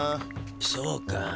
そうか。